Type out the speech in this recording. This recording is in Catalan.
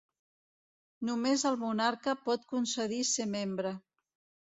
Només el monarca pot concedir ser membre.